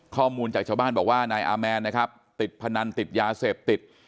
ข้อมูลจากชาวบ้านบอกว่านายอาแมนนะครับติดพนันติดยาเสพติด